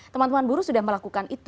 teman teman buruh sudah melakukan itu